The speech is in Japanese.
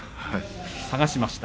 探しました。